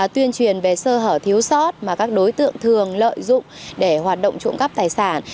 tuyên truyền về sơ hở thiếu sót mà các đối tượng thường lợi dụng để hoạt động trộm cắp tài sản